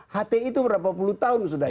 hti itu berapa puluh tahun sudah